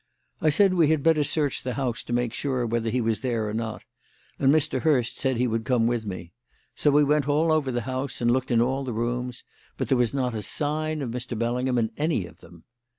I said we had better search the house to make sure whether he was there or not, and Mr. Hurst said he would come with me; so we went all over the house and looked in all the rooms, but there was not a sign of Mr. Bellingham in any of them.